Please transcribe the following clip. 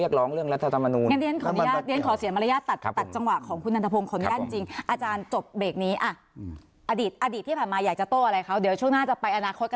อยากจะโต่อะไรเขา